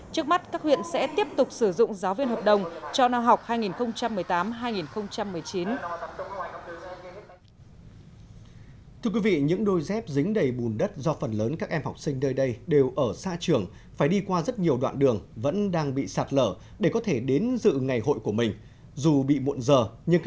trước mắt các huyện sẽ tiếp tục sử dụng giáo viên hợp đồng cho năm học hai nghìn một mươi tám